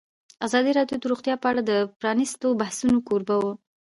ازادي راډیو د روغتیا په اړه د پرانیستو بحثونو کوربه وه.